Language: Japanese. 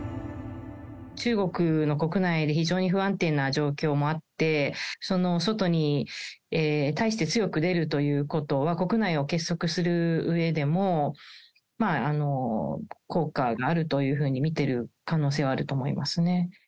中国の国内で非常に不安定な状況もあって、外に対して強く出るということは、国内を結束するうえでも、効果があるというふうに見てる可能性はあると思いますね。